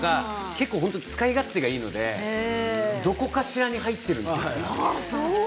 結構、使い勝手がいいのでどこかしらに入っています。